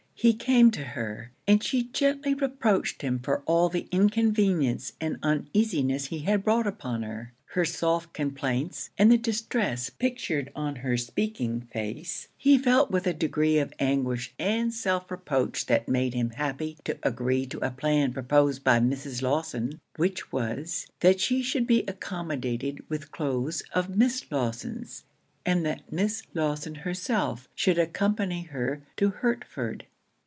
He came to her; and she gently reproached him for all the inconvenience and uneasiness he had brought upon her. Her soft complaints, and the distress pictured on her speaking face, he felt with a degree of anguish and self reproach that made him happy to agree to a plan proposed by Mrs. Lawson, which was, that she should be accommodated with cloaths of Miss Lawson's, and that Miss Lawson herself should accompany her to Hertford.